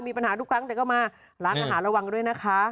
มีปัญหาทุกครั้งแต่ก็มาร้านอาหารระวังด้วยนะคะ